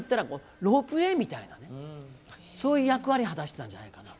そういう役割果たしてたんじゃないかなと。